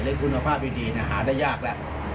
และมีมื้อคุณภาพดีหาได้ยากแล้ว